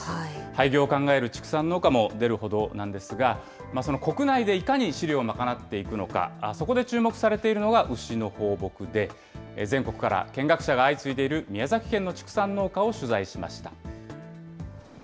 廃業を考える畜産農家も出るほどなんですが、その国内でいかに飼料を賄っていくのか、そこで注目されているのが、牛の放牧で、全国から見学者が相次いでいる宮崎県の畜産農家を取材しました。